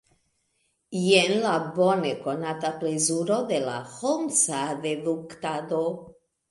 Jen la bonekonata plezuro de la holmsa deduktado.